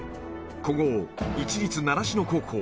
古豪、市立習志野高校。